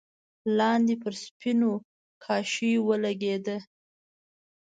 لاندې پر سپينو کاشيو ولګېده.